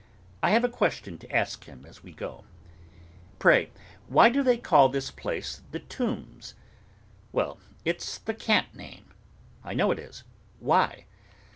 I have a question to ask him as we go. 'Pray, why do they call this place The Tombs?' 'Well, it's the cant name.' 'I know it is. Why?